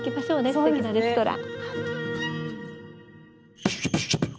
すてきなレストラン。